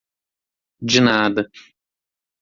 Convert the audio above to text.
De nada.